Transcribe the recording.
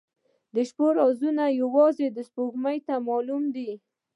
• د شپې رازونه یوازې سپوږمۍ ته معلوم دي.